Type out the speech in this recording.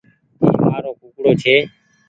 اي مآرو ڪوڪڙو ڇي۔